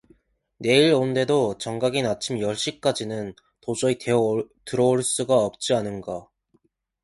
내일 온대도 정각인 아침 열시까지는 도저히 대어 들어올 수가 없지 않은가.